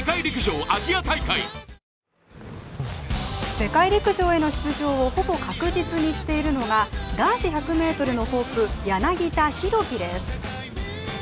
世界陸上への出場をほぼ確実にしているのが男子１００ｍのホープ、柳田大輝です。